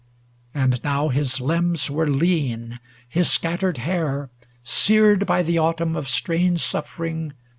And now his limbs were lean; his scattered hair, Sered by the autumn of strange suffering.